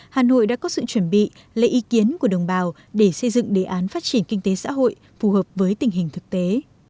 hà nội đã có sự chuẩn bị lấy ý kiến của đồng bào để xây dựng đề án phát triển kinh tế xã hội phù hợp với tình hình thực tế